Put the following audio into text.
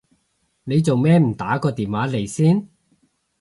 你做咩唔打個電話嚟先？